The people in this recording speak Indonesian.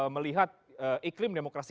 melihat iklim demokrasi